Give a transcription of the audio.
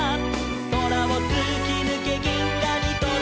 「そらをつきぬけぎんがにとどく」